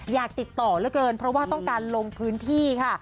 อยากติดต่อเหลือเกินเพราะว่าต้องการลงพื้นที่ค่ะ